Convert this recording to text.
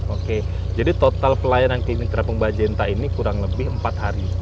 oke jadi total pelayanan klinik terapung mbak jenta ini kurang lebih empat hari